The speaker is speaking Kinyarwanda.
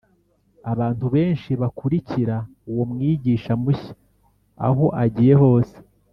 Abantu benshi bakurikira uwo mwigisha mushya aho agiye hose